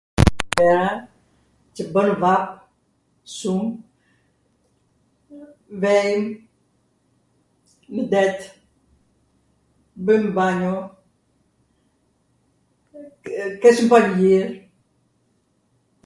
[ahjera] qw bwn vap shum, vejm nw det, bwjm banjo, kesh panijir